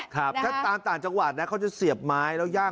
ถ้าตามต่างจังหวัดนะเขาจะเสียบไม้แล้วย่าง